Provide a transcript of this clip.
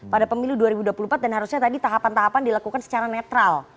pada pemilu dua ribu dua puluh empat dan harusnya tadi tahapan tahapan dilakukan secara netral